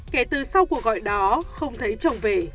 kể từ sau cuộc gọi đó không thấy chồng về